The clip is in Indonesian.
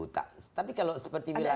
tapi kalau seperti wilayah